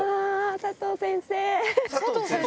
佐藤先生。